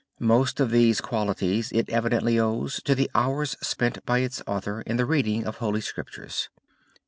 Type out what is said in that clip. Most of these qualities it evidently owes to the hours spent by its author in the reading of Holy Scriptures.